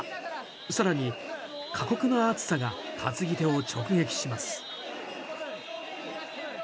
更に、過酷な暑さが担ぎ手を直撃します。